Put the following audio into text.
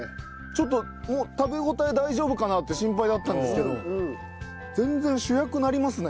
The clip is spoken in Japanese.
ちょっと食べ応え大丈夫かなって心配だったんですけど全然主役になりますね。